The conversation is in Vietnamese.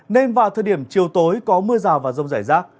nên vào thời điểm chiều tối có mưa rào và rông rải rác